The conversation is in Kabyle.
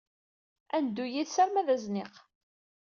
Ad neddu yid-s arma d azniq.